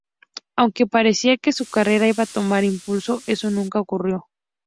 Aunque parecía que su carrera iba a tomar impulso, eso nunca ocurrió.